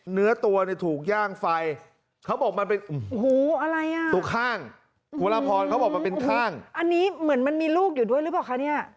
เนื้อตัวถูกย่างไฟตุข้างมีลูกอยู่ด้วยรึเปล่าคะ